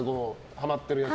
ハマってるやつ。